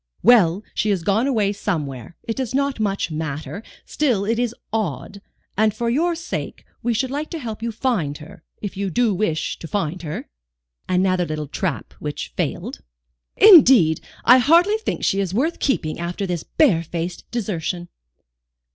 "Well, she has gone away somewhere. It does not much matter, still it is odd, and for your sake we should like to help you to find her, if you do wish to find her?" Another little trap which failed. "Indeed I hardly think she is worth keeping after this barefaced desertion."